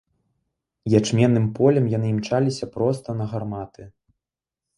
Ячменным полем яны імчаліся проста на гарматы.